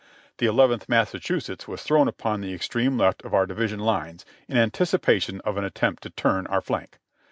"The Eleventh Massachusetts was thrown upon the extreme left of our division lines, in anticipation of an attempt to turn our flank.